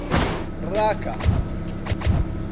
ڕاکە!